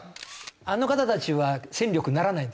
あの方たちは戦力にならないんですか？